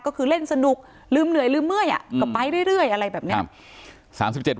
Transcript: ก็คือเล่นสนุกลืมเหนื่อยลืมเมื่อยก็ไปเรื่อยอะไรแบบนี้